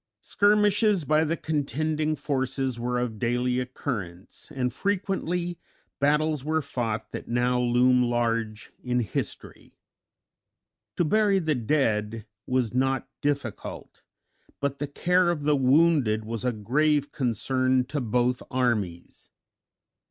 Skirmishes by the contending forces were of daily occurrence, and frequently battles were fought that now loom large in history. To bury the dead was not difficult; but the care of the wounded was a grave concern to both armies.